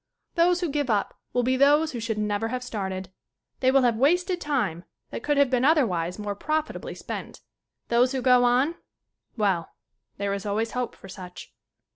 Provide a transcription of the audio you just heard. Those who give up will be those who should never have started. They will have wasted time that could have been otherwise more profitably spent. Those who go on well, there is always hope for such.